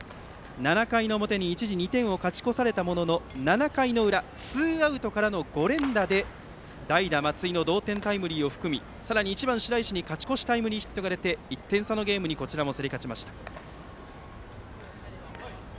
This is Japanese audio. ７回の表に一時、２点を勝ち越されたものの７回の裏、ツーアウトからの５連打で代打、松井の同点タイムリーを含めさらに１番、白石に勝ち越しタイムリーヒットが出て１点差のゲームにこちらも競り勝ちました。